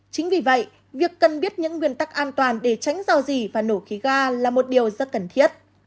chính vì vậy việc cần biết những nguyên tắc an toàn để tránh dò dỉ và nổ khí ga là một điều rất cần thiết